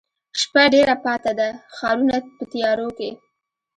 شپه ډېره پاته ده ښارونه په تیاروکې،